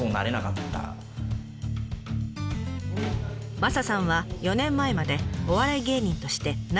マサさんは４年前までお笑い芸人として名古屋で活動。